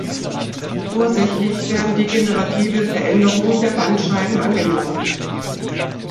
Ursächlich werden degenerative Veränderungen der Bandscheiben angenommen.